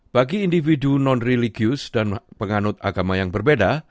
bagi individu non religious dan penganut agama yang berbeda